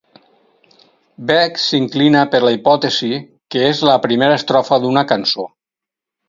Bec s'inclina per la hipòtesi que és la primera estrofa d'una cançó.